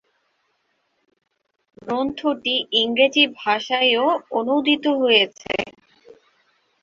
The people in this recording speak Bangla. গ্রন্থটি ইংরেজি ভাষায়ও অনূদিত হয়েছে।